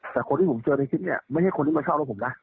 แต่คนที่ผมเจอในคลิปเนี่ยไม่ใช่คนที่มาเช่ารถผมนะ